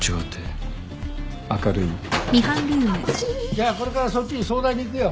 じゃあこれからそっちに相談に行くよ。